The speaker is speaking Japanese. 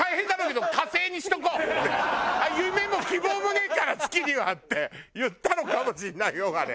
「夢も希望もねえから月には」って言ったのかもしれないよあれ。